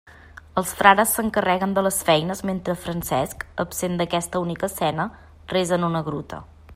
Els frares s'encarreguen de les feines mentre Francesc, absent d'aquesta única escena, resa en una gruta.